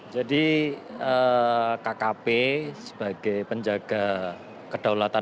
jadi kkp sebagai penjaga kedaulatan